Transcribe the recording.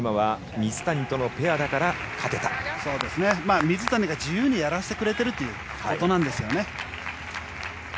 水谷が自由にやらせてくれてるということなんですよね。